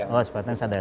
oh sepertinya ada ya